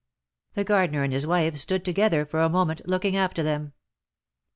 The gardener and his wife stood together for a moment looking after them.